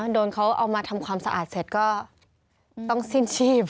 โดนเขาเอามาทำความสะอาดเสร็จก็ต้องสิ้นชีพ